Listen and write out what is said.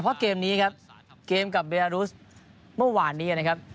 เพราะเกมนี้ครับเกมกับเบรารุสเมื่อวานนี้นะครับ